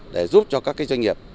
để giúp cho các doanh nghiệp